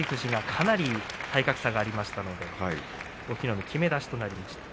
かなり体格差がありましたので隠岐の海、きめ出しとなりました。